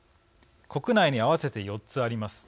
国内に合わせて４つあります。